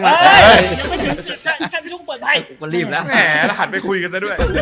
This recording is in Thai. เห็นหัดไปคุยกันซะด้วย